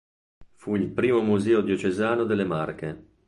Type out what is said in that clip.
Fu il primo Museo diocesano delle Marche.